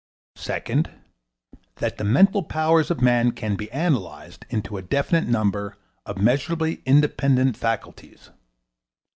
Second That the mental powers of man can be analyzed into a definite number of measurably independent faculties.